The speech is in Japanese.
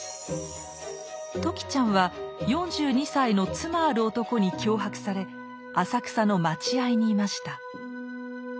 時ちゃんは４２歳の妻ある男に脅迫され浅草の待合にいました。